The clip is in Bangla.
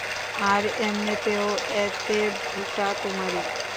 আর এমনেতেও, এতে ভুলটা তোমারেই।